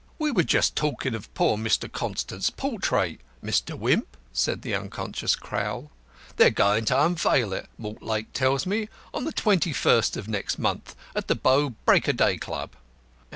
"We were just talking of poor Mr. Constant's portrait, Mr. Wimp," said the unconscious Crowl; "they're going to unveil it, Mortlake tells me, on the twenty first of next month at the Bow Break o' Day Club."